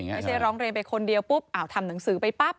ไม่ใช่ร้องเรียนไปคนเดียวปุ๊บทำหนังสือไปปั๊บ